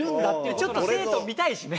ちょっと生徒を見たいしね。